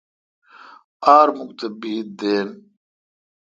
ار مک تھ بید دین۔